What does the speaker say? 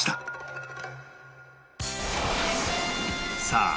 さあ